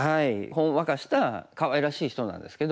ほんわかしたかわいらしい人なんですけど。